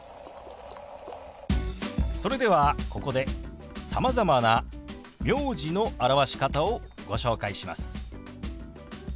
それではここでさまざまな名字の表し方をご紹介します。